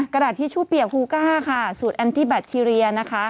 กระดาษทิชชู่เปียกฮูก้าค่ะสูตรแอนตี้แบคทีเรียนะคะ